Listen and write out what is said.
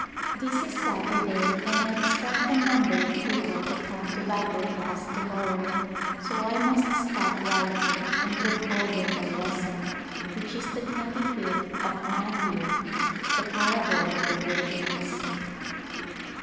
This is Saturday and I expect a number of people to come to Bible class to morrow, so I must stop writing and look over my lesson, which is the twenty fifth of Matthew, the Parable of the Virgins.